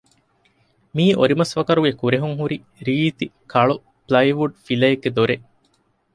މިއީ އޮރިމަސްވަކަރުގެ ކުރެހުން ހުރި ރީތި ކަޅު ޕުލައިވުޑު ފިލައެއްގެ ދޮރެއް